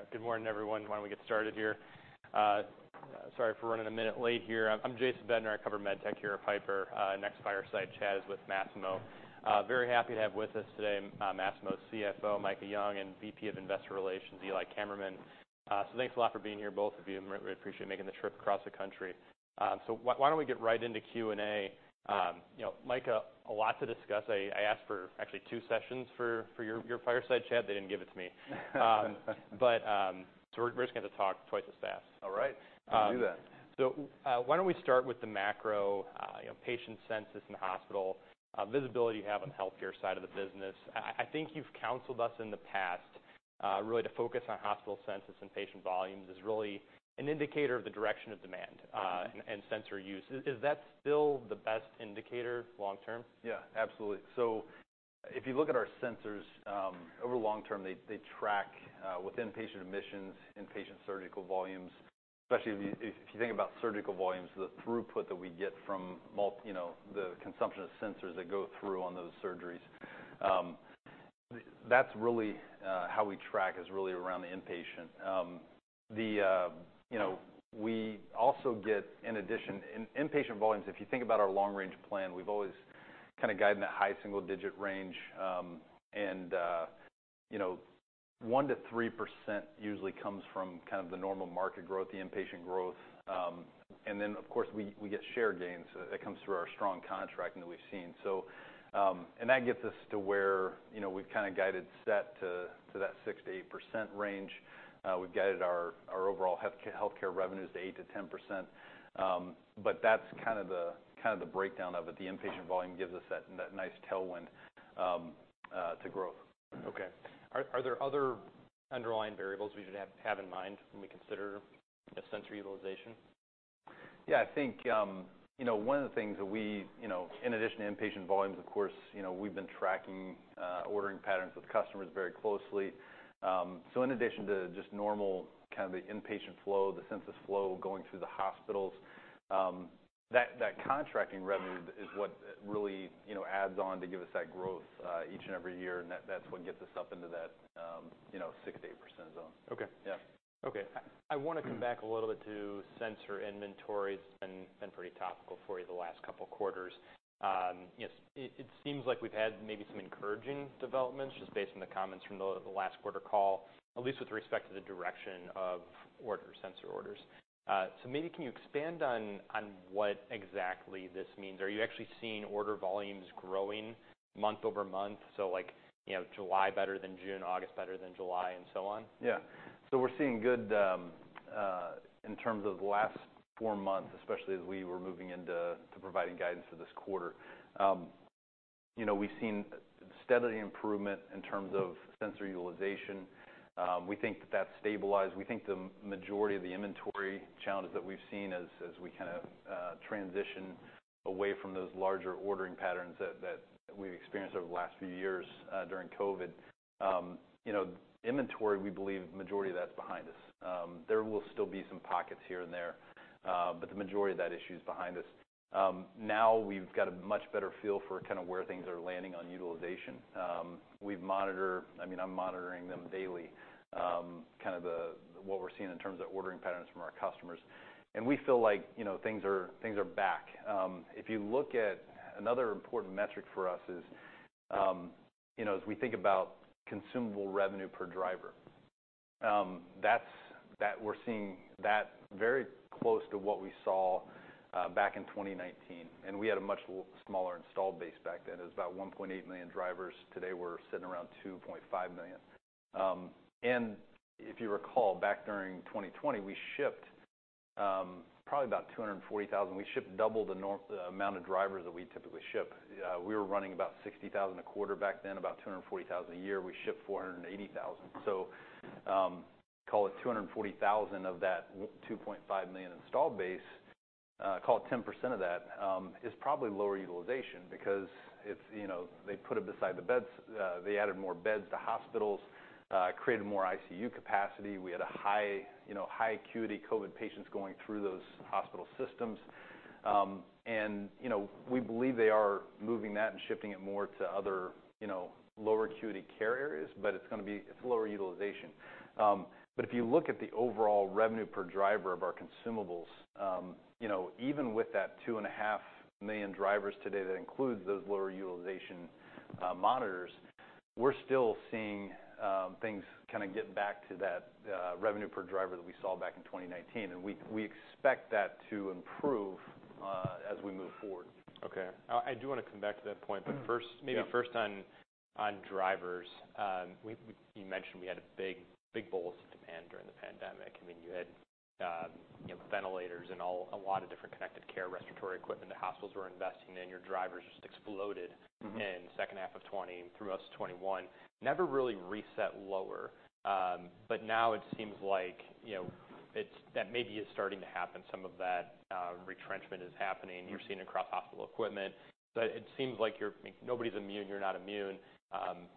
All right. Good morning, everyone. Why don't we get started here? Sorry for running a minute late here. I'm Jason Bednar. I cover med tech here at Piper. Next fireside chat is with Masimo. Very happy to have with us today, Masimo's CFO, Micah Young, and VP of Investor Relations, Eli Kammerman. So thanks a lot for being here, both of you. I really appreciate making the trip across the country. So why don't we get right into Q&A? You know, Micah, a lot to discuss. I asked for actually two sessions for your fireside chat. They didn't give it to me. But so we're just gonna have to talk twice as fast. All right. We'll do that. So, why don't we start with the macro, you know, patient census in the hospital, visibility you have on the healthcare side of the business. I think you've counseled us in the past, really to focus on hospital census and patient volumes as really an indicator of the direction of demand, and sensor use. Is that still the best indicator long-term? Yeah. Absolutely. So if you look at our sensors, over the long-term, they track within patient admissions and patient surgical volumes, especially if you think about surgical volumes, the throughput that we get from, you know, the consumption of sensors that go through on those surgeries. That's really how we track, is really around the inpatient. You know, we also get, in addition, inpatient volumes. If you think about our long-range plan, we've always kinda guided that high single-digit range. And, you know, 1% to 3% usually comes from kind of the normal market growth, the inpatient growth. And then, of course, we get share gains. That comes through our strong contracting that we've seen. So, and that gets us to where, you know, we've kinda guided set to that 6%-8% range. We've guided our overall healthcare revenues to 8%-10%, but that's kinda the breakdown of it. The inpatient volume gives us that nice tailwind to growth. Okay. Are there other underlying variables we should have in mind when we consider, you know, sensor utilization? Yeah. I think, you know, one of the things that we, you know, in addition to inpatient volumes, of course, you know, we've been tracking ordering patterns with customers very closely. So in addition to just normal kinda the inpatient flow, the census flow going through the hospitals, that contract revenue is what really, you know, adds on to give us that growth each and every year. And that, that's what gets us up into that, you know, 6%-8% zone. Okay. Yeah. Okay. I wanna come back a little bit to sensor inventory. It's been pretty topical for you the last couple quarters. You know, it seems like we've had maybe some encouraging developments just based on the comments from the last quarter call, at least with respect to the direction of order sensor orders. So maybe can you expand on what exactly this means? Are you actually seeing order volumes growing month over month? So, like, you know, July better than June, August better than July, and so on? Yeah. So we're seeing good, in terms of the last four months, especially as we were moving into providing guidance for this quarter. You know, we've seen steady improvement in terms of sensor utilization. We think that that's stabilized. We think the majority of the inventory challenges that we've seen as we kinda transition away from those larger ordering patterns that we've experienced over the last few years, during COVID. You know, inventory, we believe majority of that's behind us. There will still be some pockets here and there, but the majority of that issue is behind us. Now we've got a much better feel for kinda where things are landing on utilization. We've monitored—I mean, I'm monitoring them daily, kinda the what we're seeing in terms of ordering patterns from our customers, and we feel like, you know, things are back. If you look at another important metric for us is, you know, as we think about consumable revenue per driver, that's what we're seeing that's very close to what we saw back in 2019. We had a much smaller installed base back then. It was about 1.8 million drivers. Today, we're sitting around 2.5 million. If you recall, back during 2020, we shipped probably about 240,000. We shipped double the normal amount of drivers that we typically ship. We were running about 60,000 a quarter back then, about 240,000 a year. We shipped 480,000. So, call it 240,000 of that 2.5 million installed base, call it 10% of that, is probably lower utilization because it's, you know, they put it beside the beds, they added more beds to hospitals, created more ICU capacity. We had a high, you know, high acuity COVID patients going through those hospital systems, and, you know, we believe they are moving that and shifting it more to other, you know, lower acuity care areas, but it's gonna be. It's lower utilization, but if you look at the overall revenue per driver of our consumables, you know, even with that 2.5 million drivers today that includes those lower utilization monitors, we're still seeing things kinda get back to that revenue per driver that we saw back in 2019, and we, we expect that to improve as we move forward. Okay. I do wanna come back to that point, but first. Yeah. Maybe first on drivers. You mentioned we had a big bolus of demand during the pandemic. I mean, you had, you know, ventilators and all a lot of different connected care respiratory equipment that hospitals were investing in. Your drivers just exploded. Mm-hmm. In the second half of 2020 through 2021. Never really reset lower, but now it seems like, you know, it's that maybe is starting to happen. Some of that retrenchment is happening. Mm-hmm. You're seeing it across hospital equipment. But it seems like you're, I mean, nobody's immune. You're not immune.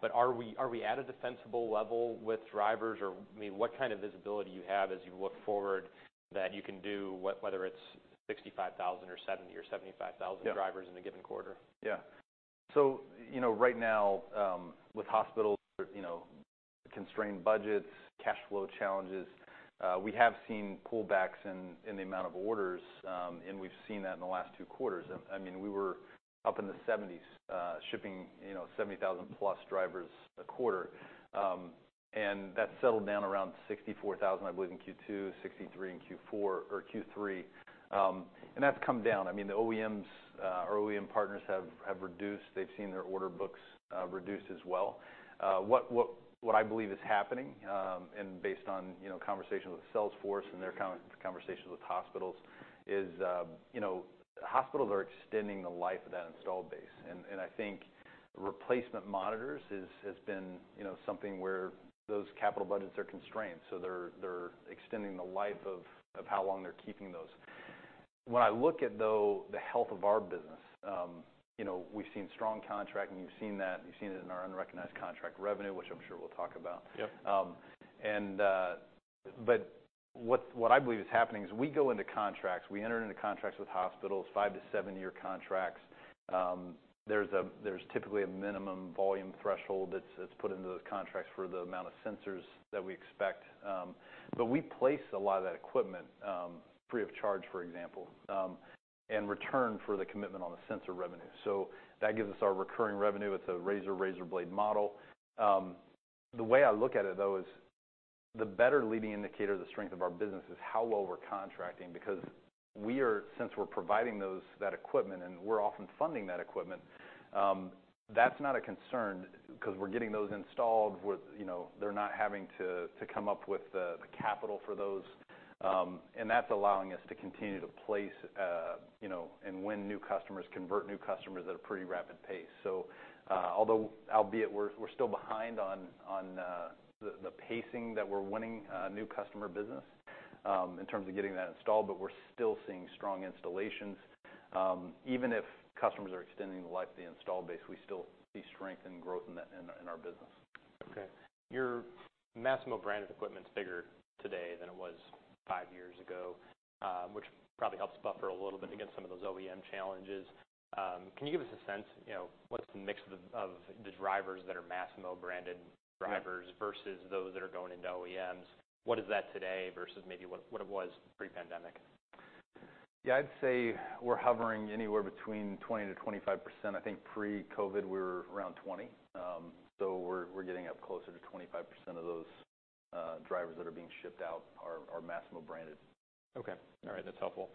But are we, are we at a defensible level with drivers? Or, I mean, what kind of visibility do you have as you look forward that you can do, what, whether it's 65,000 or 70,000 or 75,000. Yeah. Drivers in a given quarter? Yeah, so you know, right now, with hospitals, you know, constrained budgets, cash flow challenges, we have seen pullbacks in the amount of orders, and we've seen that in the last two quarters. I mean, we were up in the 70s, shipping, you know, 70,000-plus drivers a quarter, and that settled down around 64,000, I believe, in Q2, 63 in Q4 or Q3, and that's come down. I mean, the OEMs, our OEM partners have reduced. They've seen their order books reduced as well. What I believe is happening, and based on, you know, conversations with sales force and their conversations with hospitals is, you know, hospitals are extending the life of that installed base, and I think replacement monitors is has been, you know, something where those capital budgets are constrained. So they're extending the life of how long they're keeping those. When I look at, though, the health of our business, you know, we've seen strong contracting. You've seen that. You've seen it in our unrecognized contract revenue, which I'm sure we'll talk about. Yes. What I believe is happening is we go into contracts. We enter into contracts with hospitals, five- to seven-year contracts. There's typically a minimum volume threshold that's put into those contracts for the amount of sensors that we expect. But we place a lot of that equipment, free of charge, for example, in return for the commitment on the sensor revenue. So that gives us our recurring revenue. It's a razor-razor blade model. The way I look at it, though, is the better leading indicator of the strength of our business is how well we're contracting because we are, since we're providing that equipment, and we're often funding that equipment. That's not a concern 'cause we're getting those installed with, you know, they're not having to come up with the capital for those. And that's allowing us to continue to place, you know, and win new customers, convert new customers at a pretty rapid pace. So, although albeit we're still behind on the pacing that we're winning new customer business, in terms of getting that installed, but we're still seeing strong installations. Even if customers are extending the life of the installed base, we still see strength and growth in that in our business. Okay. Your Masimo branded equipment's bigger today than it was five years ago, which probably helps buffer a little bit against some of those OEM challenges. Can you give us a sense? You know, what's the mix of the drivers that are Masimo branded drivers versus those that are going into OEMs? What is that today versus maybe what it was pre-pandemic? Yeah. I'd say we're hovering anywhere between 20%-25%. I think pre-COVID, we were around 20%. So we're getting up closer to 25% of those drivers that are being shipped out are Masimo branded. Okay. All right. That's helpful.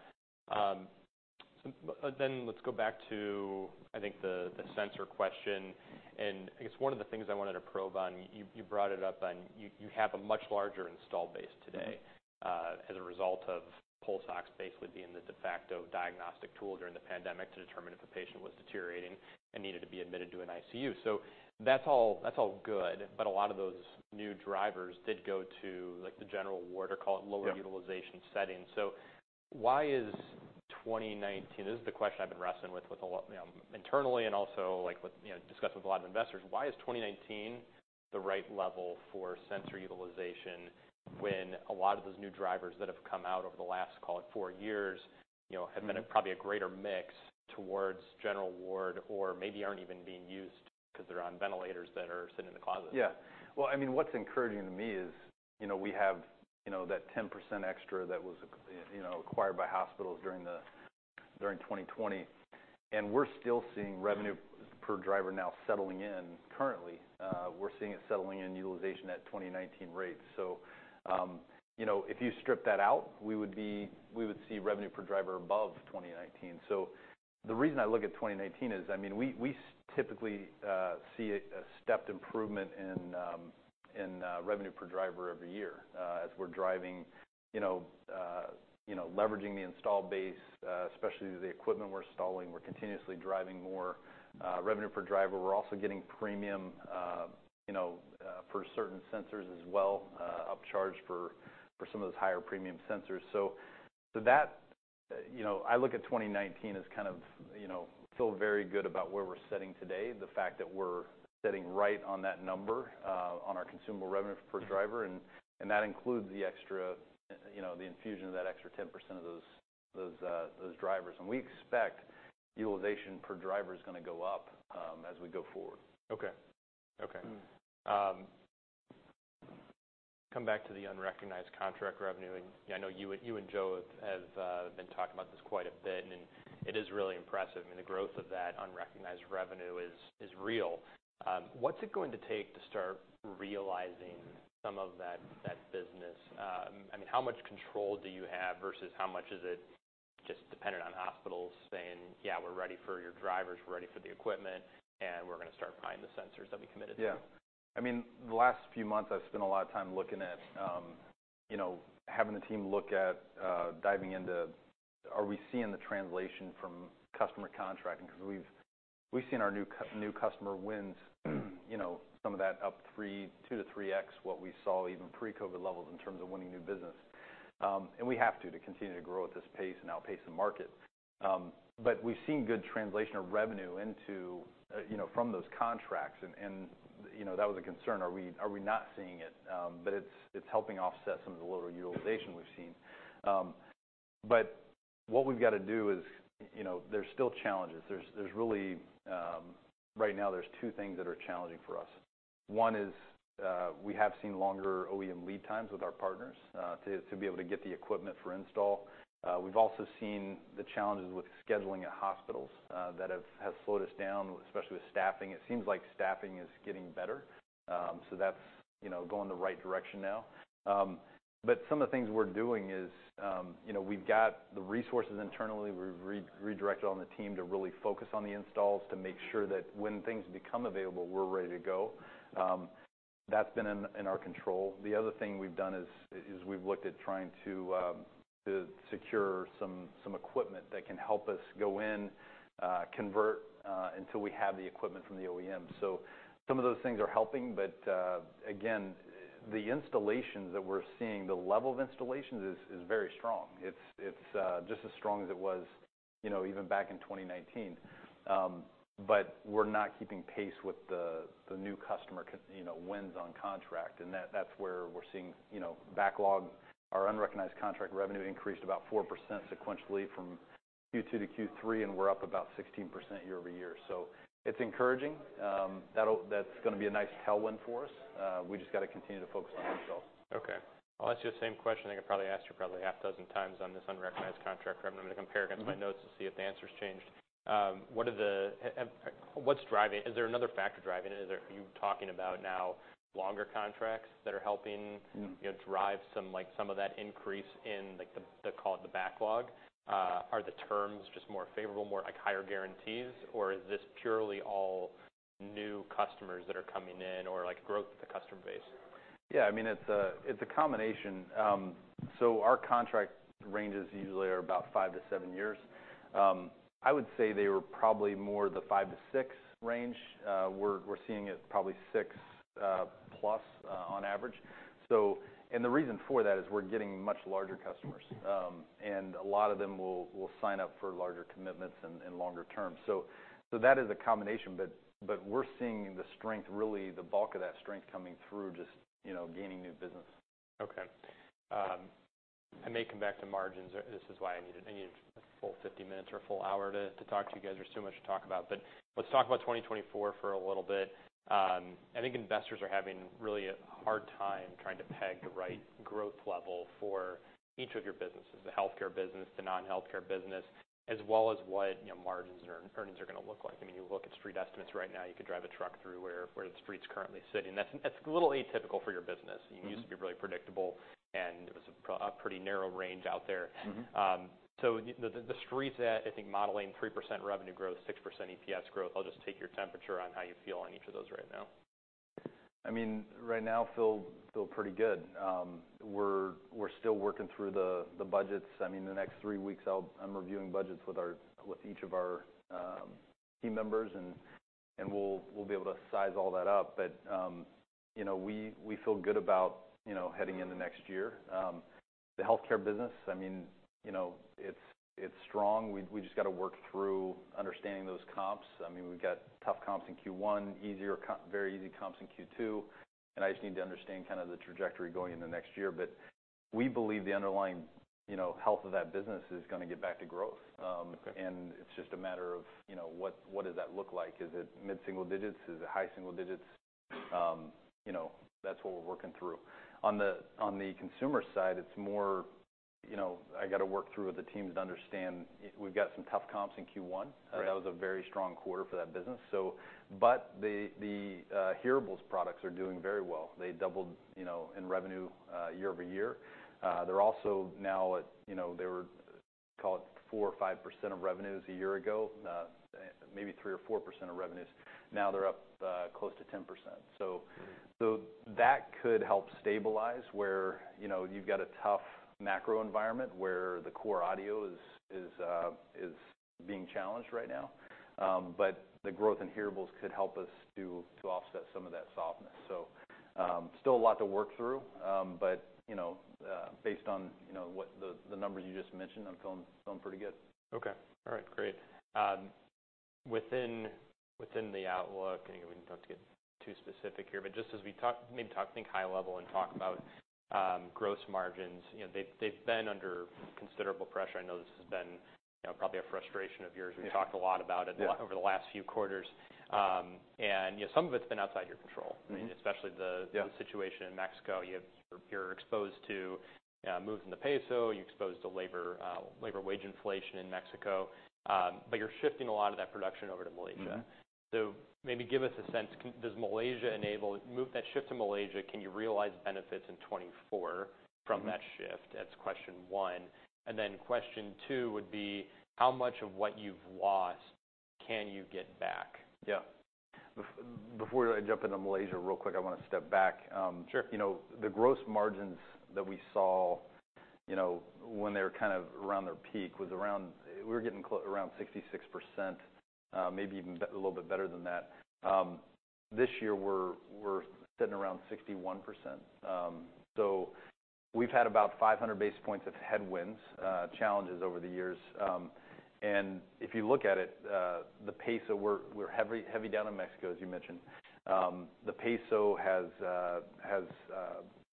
So then let's go back to, I think, the sensor question. And I guess one of the things I wanted to probe on—you brought it up, you have a much larger installed base today. Mm-hmm. As a result of pulse ox basically being the de facto diagnostic tool during the pandemic to determine if a patient was deteriorating and needed to be admitted to an ICU. So that's all, that's all good. But a lot of those new drivers did go to, like, the general ward or call it lower. Yep. Utilization setting. So why is 2019—this is the question I've been wrestling with a lot, you know, internally and also, like, discussed with a lot of investors. Why is 2019 the right level for sensor utilization when a lot of those new drivers that have come out over the last, call it, four years, you know, have been probably a greater mix towards general ward or maybe aren't even being used 'cause they're on ventilators that are sitting in the closet? Yeah. Well, I mean, what's encouraging to me is, you know, we have, you know, that 10% extra that was acquired by hospitals during 2020. We're still seeing revenue per driver now settling in currently. We're seeing it settling in utilization at 2019 rates. So, you know, if you strip that out, we would see revenue per driver above 2019. So the reason I look at 2019 is, I mean, we typically see a stepped improvement in revenue per driver every year, as we're driving, you know, leveraging the installed base, especially the equipment we're installing. We're continuously driving more revenue per driver. We're also getting premium, you know, for certain sensors as well, upcharged for some of those higher premium sensors. So that, you know, I look at 2019 as kind of, you know, feel very good about where we're sitting today, the fact that we're sitting right on that number, on our consumable revenue per driver. And that includes the extra, you know, the infusion of that extra 10% of those drivers. And we expect utilization per driver's gonna go up, as we go forward. Okay. Okay. Mm-hmm. Come back to the unrecognized contract revenue. I know you and Joe have been talking about this quite a bit. It is really impressive. I mean, the growth of that unrecognized revenue is real. What's it going to take to start realizing some of that business? I mean, how much control do you have versus how much is it just dependent on hospitals saying, "Yeah, we're ready for your drivers. We're ready for the equipment. And we're gonna start buying the sensors that we committed to"? Yeah. I mean, the last few months, I've spent a lot of time looking at, you know, having the team look at, diving into are we seeing the translation from customer contracting 'cause we've seen our new customer wins, you know, some of that up 2 to 3X what we saw even pre-COVID levels in terms of winning new business. We have to continue to grow at this pace and outpace the market. But we've seen good translation of revenue into, you know, from those contracts. And, you know, that was a concern. Are we not seeing it? But it's helping offset some of the lower utilization we've seen. But what we've gotta do is, you know, there's still challenges. There's really, right now, two things that are challenging for us. One is, we have seen longer OEM lead times with our partners, to be able to get the equipment for install. We've also seen the challenges with scheduling at hospitals, that have slowed us down, especially with staffing. It seems like staffing is getting better, so that's, you know, going the right direction now. But some of the things we're doing is, you know, we've got the resources internally. We've redirected on the team to really focus on the installs to make sure that when things become available, we're ready to go. That's been in our control. The other thing we've done is we've looked at trying to secure some equipment that can help us go in, convert, until we have the equipment from the OEM. Some of those things are helping. But, again, the installations that we're seeing, the level of installations is very strong. It's just as strong as it was, you know, even back in 2019. But we're not keeping pace with the new customer, you know, wins on contract. And that's where we're seeing, you know, backlog. Our unrecognized contract revenue increased about 4% sequentially from Q2 to Q3, and we're up about 16% year-over-year. So it's encouraging. That'll gonna be a nice tailwind for us. We just gotta continue to focus on installs. Okay. I'll ask you the same question I could probably ask you probably half a dozen times on this unrecognized contract revenue. I'm gonna compare against my notes to see if the answer's changed. What are they? Have, what's driving it? Is there another factor driving it? Are you talking about now longer contracts that are helping? Mm-hmm. You know, drive some, like, some of that increase in, like, the call it the backlog? Are the terms just more favorable, more like higher guarantees? Or is this purely all new customers that are coming in or, like, growth of the customer base? Yeah. I mean, it's a combination, so our contract ranges usually are about five to seven years. I would say they were probably more the five to six range. We're seeing it probably six plus on average, so and the reason for that is we're getting much larger customers, and a lot of them will sign up for larger commitments and longer term, so that is a combination, but we're seeing the strength, really the bulk of that strength coming through just, you know, gaining new business. Okay. I may come back to margins. This is why I needed a full 50 minutes or a full hour to talk to you guys. There's too much to talk about. But let's talk about 2024 for a little bit. I think investors are having really a hard time trying to peg the right growth level for each of your businesses, the healthcare business, the non-healthcare business, as well as what, you know, margins and earnings are gonna look like. I mean, you look at street estimates right now. You could drive a truck through where the street's currently sitting. That's a little atypical for your business. Mm-hmm. It used to be really predictable, and it was a pretty narrow range out there. Mm-hmm. So why the Street's at, I think, modeling 3% revenue growth, 6% EPS growth. I'll just take your temperature on how you feel on each of those right now. I mean, right now, I feel pretty good. We're still working through the budgets. I mean, the next three weeks, I'll be reviewing budgets with each of our team members. And we'll be able to size all that up. But you know, we feel good about you know, heading into next year. The healthcare business, I mean, you know, it's strong. We just gotta work through understanding those comps. I mean, we've got tough comps in Q1, easier, very easy comps in Q2. And I just need to understand kinda the trajectory going into next year. But we believe the underlying you know, health of that business is gonna get back to growth. Okay. And it's just a matter of, you know, what, what does that look like? Is it mid-single digits? Is it high single digits? You know, that's what we're working through. On the consumer side, it's more, you know. I gotta work through with the teams to understand why we've got some tough comps in Q1. Right. That was a very strong quarter for that business. So but the hearables products are doing very well. They doubled, you know, in revenue, year over year. They're also now at, you know, they were, call it, 4 or 5% of revenues a year ago, maybe 3 or 4% of revenues. Now they're up, close to 10%. So. Mm-hmm. So that could help stabilize where, you know, you've got a tough macro environment where the core audio is being challenged right now. But the growth in hearables could help us to offset some of that softness. So, still a lot to work through. But, you know, based on, you know, what the numbers you just mentioned, I'm feeling pretty good. Okay. All right. Great. Within the outlook, you know, we didn't have to get too specific here, but just as we talk, maybe think high level and talk about gross margins, you know, they've been under considerable pressure. I know this has been, you know, probably a frustration of yours. Yeah. We've talked a lot about it. Yeah. The lag over the last few quarters, and you know, some of it's been outside your control. Mm-hmm. I mean, especially the. Yeah. The situation in Mexico. You're exposed to moves in the peso. You're exposed to labor wage inflation in Mexico. But you're shifting a lot of that production over to Malaysia. Mm-hmm. So, maybe give us a sense. Does the move to Malaysia enable that shift to Malaysia? Can you realize benefits in 2024 from that shift? Mm-hmm. That's question one. And then question two would be, how much of what you've lost can you get back? Yeah. Before I jump into Malaysia real quick, I wanna step back. Sure. You know, the gross margins that we saw, you know, when they were kind of around their peak was around we were getting close around 66%, maybe even a little bit better than that. This year, we're sitting around 61%. So we've had about 500 basis points of headwinds, challenges over the years. And if you look at it, the peso, we're heavy down in Mexico, as you mentioned. The peso has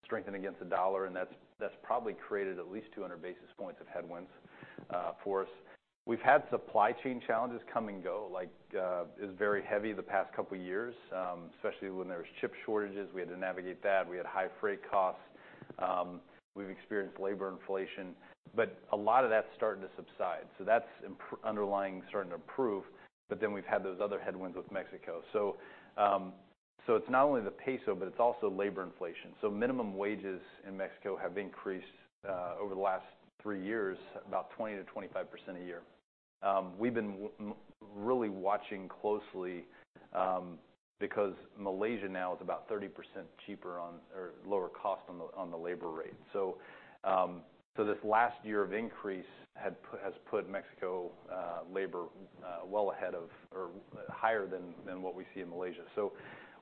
strengthened against the dollar. And that's probably created at least 200 basis points of headwinds for us. We've had supply chain challenges come and go, like, it's very heavy the past couple of years, especially when there was chip shortages. We had to navigate that. We had high freight costs. We've experienced labor inflation. But a lot of that's starting to subside. So that's impacting underlying starting to improve. But then we've had those other headwinds with Mexico. So it's not only the peso, but it's also labor inflation. So minimum wages in Mexico have increased over the last three years about 20%-25% a year. We've been really watching closely, because Malaysia now is about 30% cheaper or lower cost on the labor rate. So this last year of increase has put Mexico labor well ahead of or higher than what we see in Malaysia. So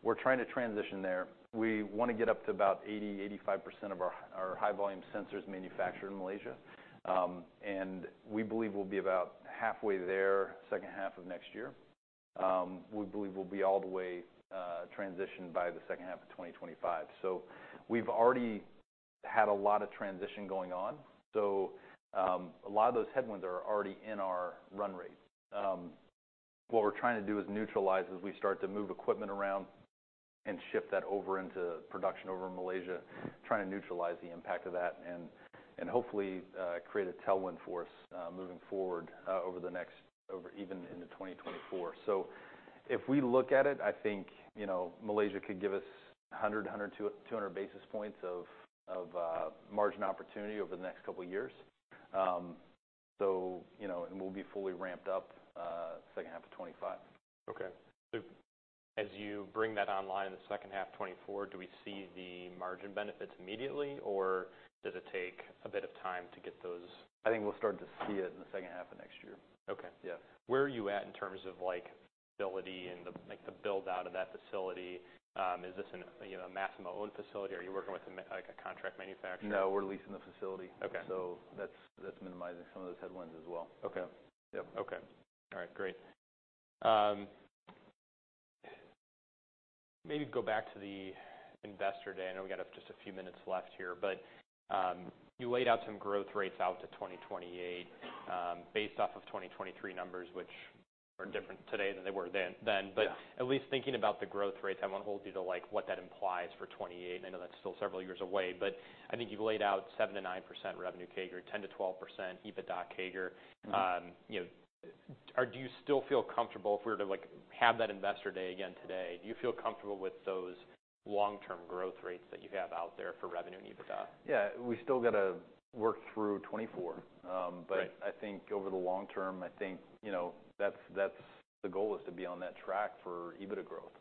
we're trying to transition there. We wanna get up to about 80%-85% of our high-volume sensors manufactured in Malaysia. We believe we'll be about halfway there, second half of next year. We believe we'll be all the way transitioned by the second half of 2025. So we've already had a lot of transition going on. So, a lot of those headwinds are already in our run rate. What we're trying to do is neutralize as we start to move equipment around and shift that over into production over in Malaysia, trying to neutralize the impact of that and hopefully create a tailwind for us, moving forward over the next even into 2024. So if we look at it, I think you know Malaysia could give us 100 to 200 basis points of margin opportunity over the next couple of years. So you know and we'll be fully ramped up second half of 2025. Okay. So as you bring that online in the second half of 2024, do we see the margin benefits immediately, or does it take a bit of time to get those? I think we'll start to see it in the second half of next year. Okay. Yeah. Where are you at in terms of, like, ability and the, like, the build-out of that facility? Is this an, you know, a Masimo-owned facility? Are you working with a, like, a contract manufacturer? No. We're leasing the facility. Okay. So that's, that's minimizing some of those headwinds as well. Okay. All right. Great. Maybe go back to the investor day. I know we got just a few minutes left here. But you laid out some growth rates out to 2028, based off of 2023 numbers, which are different today than they were then. Yeah. But at least thinking about the growth rates, I wanna hold you to, like, what that implies for 2028. And I know that's still several years away. But I think you've laid out 7%-9% revenue CAGR, 10%-12% EBITDA CAGR. Mm-hmm. You know, or do you still feel comfortable if we were to, like, have that investor day again today, do you feel comfortable with those long-term growth rates that you have out there for revenue and EBITDA? Yeah. We still gotta work through 2024, but. Right. I think over the long term, I think, you know, that's the goal is to be on that track for EBITDA growth.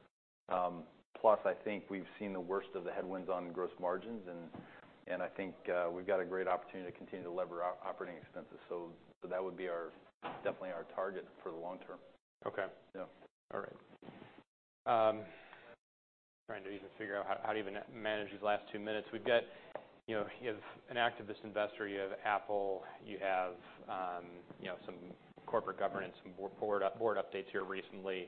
Plus, I think we've seen the worst of the headwinds on gross margins, and I think we've got a great opportunity to continue to leverage our operating expenses, so that would definitely be our target for the long term. Okay. Yeah. All right. Trying to even figure out how to even manage these last two minutes. We've got, you know, you have an activist investor. You have Apple. You have, you know, some corporate governance and board updates here recently.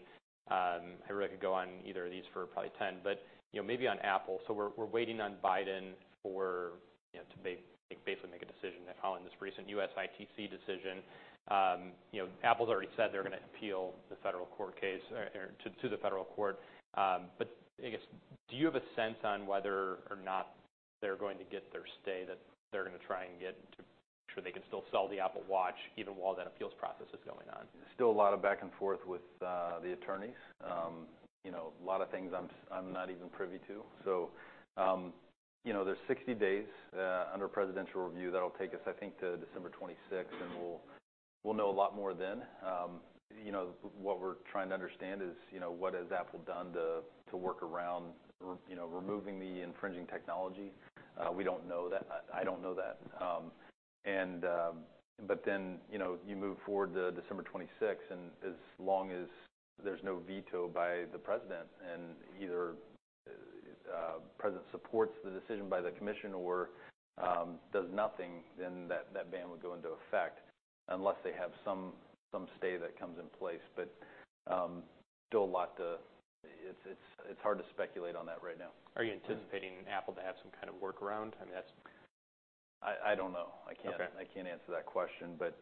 I really could go on either of these for probably 10. You know, maybe on Apple. We're waiting on Biden for, you know, to basically make a decision to weigh in on this recent U.S. ITC decision. You know, Apple's already said they're gonna appeal to the federal court. I guess, do you have a sense on whether or not they're going to get their stay that they're gonna try and get to make sure they can still sell the Apple Watch even while that appeals process is going on? Still a lot of back and forth with the attorneys. You know, a lot of things I'm not even privy to. So, you know, there's 60 days under presidential review that'll take us, I think, to December 26th, and we'll know a lot more then. You know, what we're trying to understand is, you know, what has Apple done to work around, you know, removing the infringing technology? We don't know that. I don't know that. But then, you know, you move forward to December 26th, and as long as there's no veto by the president and either president supports the decision by the commission or does nothing, then that ban would go into effect unless they have some stay that comes in place. But still a lot to it. It's hard to speculate on that right now. Are you anticipating Apple to have some kind of workaround? I mean, that's, I don't know. I can't. Okay. I can't answer that question. But,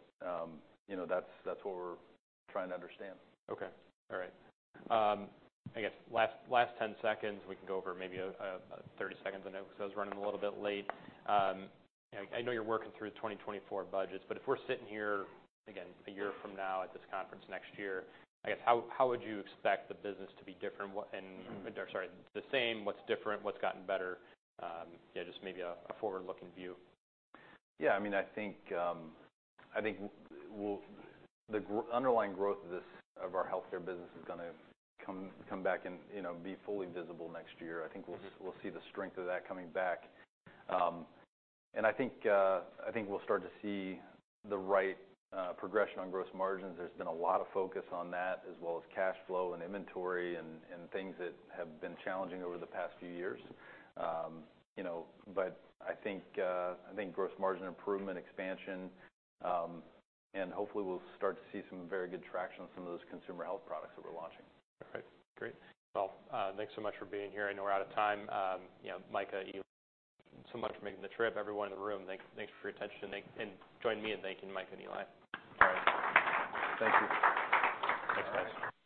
you know, that's what we're trying to understand. Okay. All right. I guess last 10 seconds, we can go over maybe a 30 seconds. I know because I was running a little bit late. I know you're working through the 2024 budgets. But if we're sitting here, again, a year from now at this conference next year, I guess, how would you expect the business to be different? What and. Mm-hmm. Or sorry, the same, what's different, what's gotten better? You know, just maybe a forward-looking view. Yeah. I mean, I think we'll see the underlying growth of our healthcare business come back and, you know, be fully visible next year. I think we'll. Mm-hmm. We'll see the strength of that coming back, and I think we'll start to see the right progression on gross margins. There's been a lot of focus on that as well as cash flow and inventory and things that have been challenging over the past few years. You know, but I think gross margin improvement, expansion, and hopefully we'll start to see some very good traction on some of those consumer health products that we're launching. All right. Great. Well, thanks so much for being here. I know we're out of time. You know, Micah, Eli, so much for making the trip. Everyone in the room, thanks for your attention. Thanks and join me in thanking Micah and Eli. All right. Thank you. Thanks, guys.